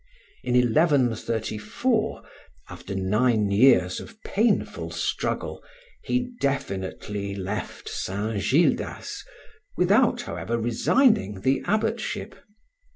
In 1134, after nine years of painful struggle, he definitely left St. Gildas, without, however, resigning the abbotship.